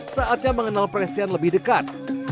saatnya mengenal presiden lebih dekat